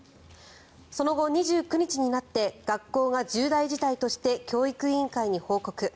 その後、２９日になって学校が重大事態として教育委員会に報告。